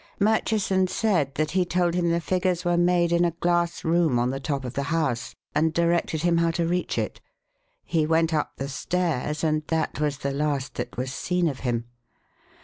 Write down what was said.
Murchison said that he told him the figures were made in a glass room on the top of the house, and directed him how to reach it. He went up the stairs, and that was the last that was seen of him.